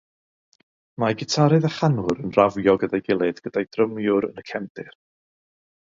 Mae gitarydd a chanwr yn rafio gyda'i gilydd, gyda'u drymiwr yn y cefndir.